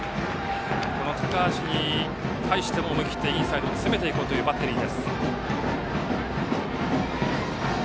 この高橋に対しても思い切ってインサイドを攻めていこうというバッテリー。